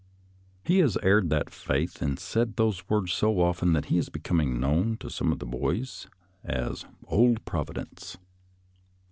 He has aired that faith and said those words so often that he is becoming known to some of the boys as " Old Providence."